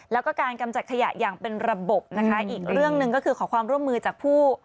แล้วก็การกำจัดขยะอย่างเป็นระบบนะคะอีกเรื่องหนึ่งก็คือขอความร่วมมือจากผู้